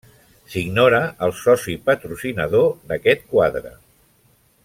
S'ignora el soci patrocinador d'aquest quadre.